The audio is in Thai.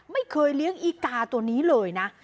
ไม่เคยเลี้ยงอีกาตัวนี้เลยนะ